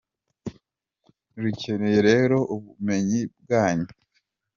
Rukeneye rero ubumenyi bwanyu, mwe murangije mutegerejweho guhanga imirimo aho kuyisaba.